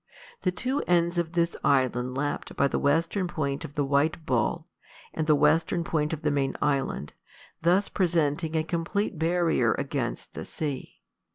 The two ends of this island lapped by the western point of the White Bull and the western point of the main island, thus presenting a complete barrier against the sea.